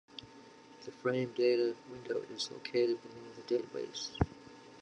The frame data window is located below the database.